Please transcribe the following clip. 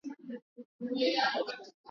la watu baada ya watu wa Slavic Zamani na Zama